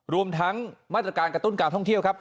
รวมทั้งมาตรการกระตุ้นการท่องเที่ยวครับ